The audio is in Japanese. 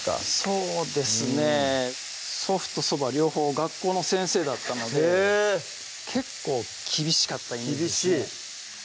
そうですね祖父と祖母は両方学校の先生だったので結構厳しかったイメージですね